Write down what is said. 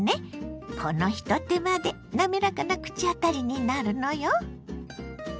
このひと手間でなめらかな口当たりになるのよ。